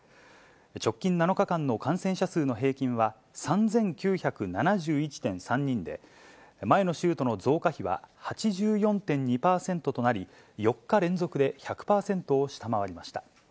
直近７日間の感染者数の平均は３９７１．３人で、前の週との増加比は８４．２％となり、４日連続で１００％を下回りました。